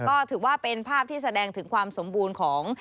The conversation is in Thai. ก็ถือว่าเป็นภาพที่แสดงถึงความสมบูรณ์ของ